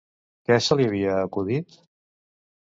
Què se li havia acudit?